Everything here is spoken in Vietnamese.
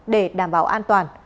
để đảm bảo an toàn